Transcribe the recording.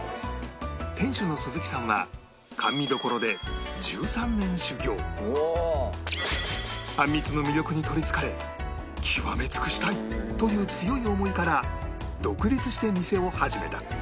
店主の鈴木さんはあんみつの魅力にとりつかれ極め尽くしたいという強い思いから独立して店を始めた